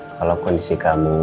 kalau kondisi kamu